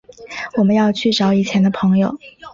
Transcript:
我们要去找以前的朋友